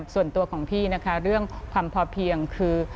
ส่วนตัวของพี่นะคะเรื่องความพอเพียงคือ